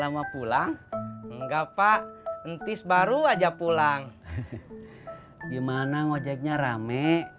lama pulang enggak pak entis baru aja pulang gimana ngojeknya rame